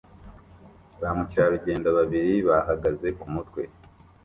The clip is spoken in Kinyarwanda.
Ba mukerarugendo babiri bahagaze kumutwe